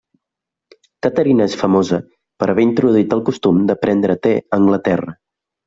Caterina és famosa per haver introduït el costum de prendre el te a Anglaterra.